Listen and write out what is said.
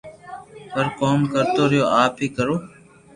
تو ڪوم ڪرتو رھيو آپ اي ڪرو